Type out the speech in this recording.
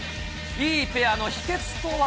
いいペアの秘けつとは？